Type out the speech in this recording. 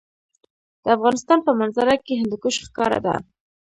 د افغانستان په منظره کې هندوکش ښکاره ده.